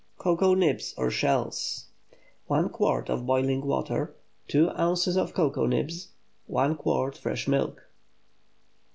COCOA NIBS, OR SHELLS. ✠ 1 quart of boiling water. 2 ozs. of cocoa nibs. 1 quart fresh milk.